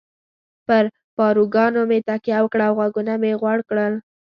پر پاروګانو مې تکیه وکړه او غوږونه مې غوړ کړل.